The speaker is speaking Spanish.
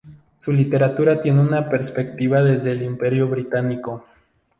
Su literatura tiene una perspectiva desde el Imperio británico.